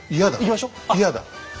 嫌だ。